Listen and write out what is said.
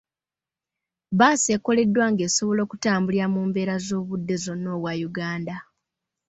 Bbaasi ekoleddwa ng'esobola okutambulira mu mbeera z'obudde zonna obwa Uganda.